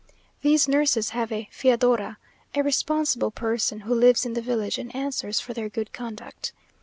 These nurses have a fiadora, a responsible person, who lives in the village, and answers for their good conduct.